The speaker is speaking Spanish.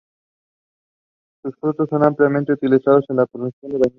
Sus frutos son ampliamente utilizados en la producción de vainilla.